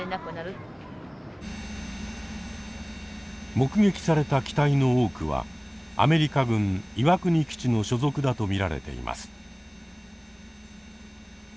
目撃された機体の多くはアメリカ軍岩国基地の所属だと見られています。